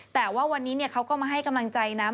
แต่ว่าวันนี้เขาก็มาให้กำลังใจนะ